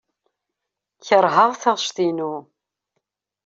Keṛheɣ taɣect-inu.